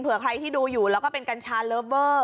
ใครที่ดูอยู่แล้วก็เป็นกัญชาเลิฟเวอร์